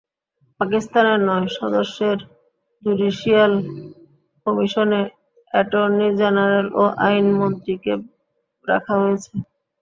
পাকিস্তানের নয় সদস্যের জুডিশিয়াল কমিশনে অ্যাটর্নি জেনারেল ও আইনমন্ত্রীকে রাখা হয়েছে।